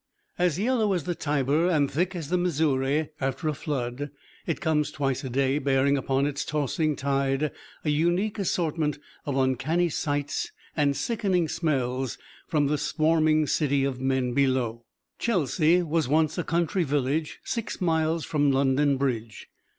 As yellow as the Tiber and thick as the Missouri after a flood, it comes twice a day bearing upon its tossing tide a unique assortment of uncanny sights and sickening smells from the swarming city of men below. Chelsea was once a country village six miles from London Bridge.